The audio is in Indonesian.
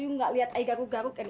ibu nggak lihat ibu garuk garuk